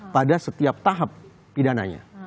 pada setiap tahap pidananya